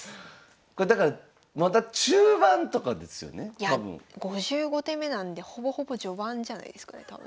いや５５手目なんでほぼほぼ序盤じゃないですかね多分。